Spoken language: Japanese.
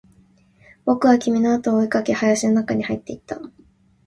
僕は君のあとを追いかけ、林の中に入っていった